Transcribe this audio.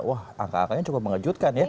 wah angka angkanya cukup mengejutkan ya